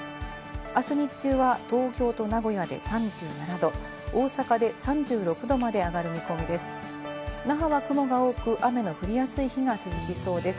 あす日中は東京と名古屋で３７度、大阪で３６度まで上がる見込みで「キュレル」一気に真夏日。